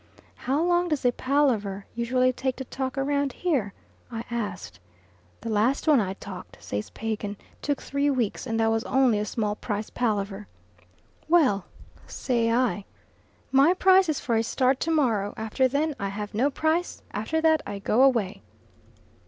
"How long does a palaver usually take to talk round here?" I ask. "The last one I talked," says Pagan, "took three weeks, and that was only a small price palaver." "Well," say I, "my price is for a start to morrow after then I have no price after that I go away."